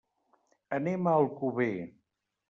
Anem a Alcover.